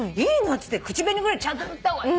っつって口紅ぐらいちゃんと塗った方がいい。